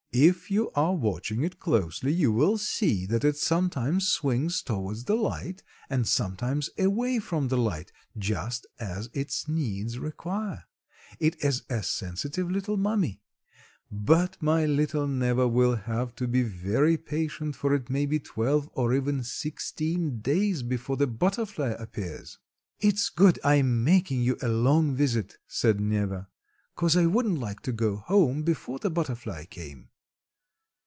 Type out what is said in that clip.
"If you are watching it closely you will see that it sometimes swings towards the light and sometimes away from the light just as its needs require. It is a sensitive little mummy. But my little Neva will have to be very patient for it may be twelve or even sixteen days before the butterfly appears." "It's good I'm making you a long visit," said Neva, "'cause I wouldn't like to go home before the butterfly came."